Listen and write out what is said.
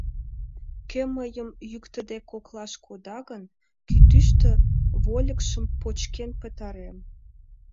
Кӧ мыйым, йӱктыде, коклаш кода гын, кӱтӱштӧ вольыкшым почкен пытарем...